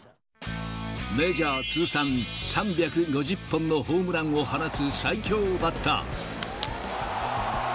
メジャー通算３５０本のホームランを放つ最強バッター。